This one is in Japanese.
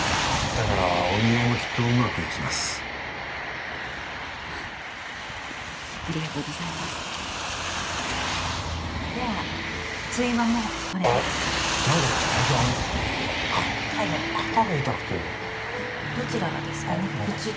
だからお見合いもきっとうまくいきますあっありがとうございますでは通院はもうこれであっ何か最近あの肩が肩が痛くてどちらがですかねこっち？